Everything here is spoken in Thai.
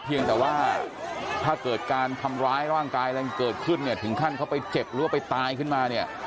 เพียงแต่ว่าถ้าเกิดการทำร้ายร่างกายอะไรเกิดขึ้นเนี่ยถึงขั้นเขาไปเจ็บหรือว่าไปตายขึ้นมาเนี่ย